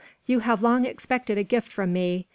"You have long expected a gift from me.